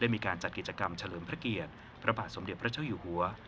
มีการจัดกิจกรรมเฉลิมพระเกียรติพระบาทสมเด็จพระเจ้าอยู่หัว